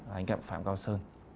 anh cặn phạm cao sơn